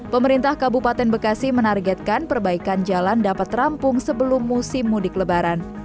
pemerintah kabupaten bekasi menargetkan perbaikan jalan dapat rampung sebelum musim mudik lebaran